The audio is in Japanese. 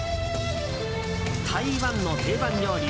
台湾の定番料理